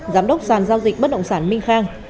giám đốc sàn giao dịch bất động sản minh khang